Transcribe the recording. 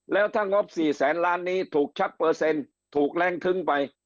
แล้วถ้างบ๔แสนล้านนี้ถูกชักเปอร์เซ็นต์ถูกแรงคึ้งไป